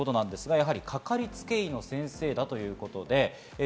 かかりつけ医の先生だということです。